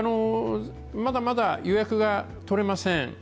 まだまだ、予約が取れません。